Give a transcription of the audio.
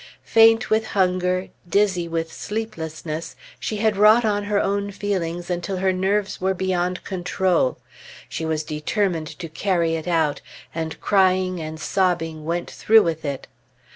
Faint with hunger, dizzy with sleeplessness, she had wrought on her own feelings until her nerves were beyond control. She was determined to carry it out, and crying and sobbing went through with it.